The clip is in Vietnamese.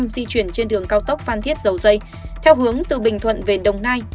di chuyển trên đường cao tốc phan thiết dầu dây theo hướng từ bình thuận về đồng nai